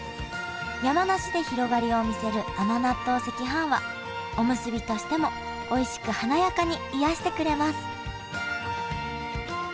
山梨で広がりを見せる甘納豆赤飯はおむすびとしてもおいしく華やかに癒やしてくれます